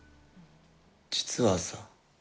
実はさ。